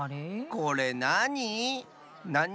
これなに？